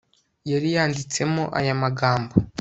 yari yanditsemo aya magambo